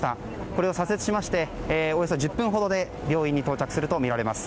これを左折しましておよそ１０分ほどで病院に到着するとみられます。